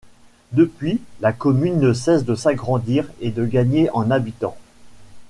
Depuis, la commune ne cesse de s'agrandir et de gagner en habitants.